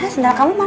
sendal kamu mana